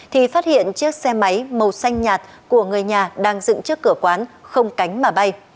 thì phát hiện chiếc xe máy màu xanh nhạt của người nhà đang dựng trước cửa quán không cánh mà bay